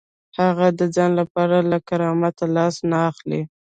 هغه د ځان لپاره له کرامت لاس نه اخلي.